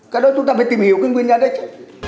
cái đó chúng ta phải tìm hiểu cái nguyên nhân đấy chứ